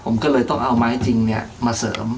ผมก็เลยต้องเอาไม้จริงเนี่ยมาเสริม